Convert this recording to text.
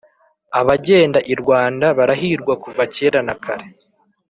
abagenda i rwanda barahirwa kuva kera na kare,